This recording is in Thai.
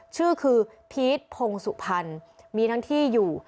ชื่อคือพีชพงศุพรมีทั้งที่อยู่